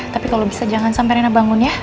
tapi kalo bisa jangan sampe rena bangun ya